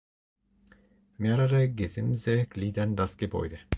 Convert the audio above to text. Mehrere Gesimse gliedern das Gebäude.